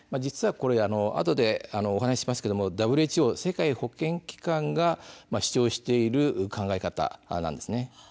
あとでお話ししますがＷＨＯ＝世界保健機関が主張している考え方なんです。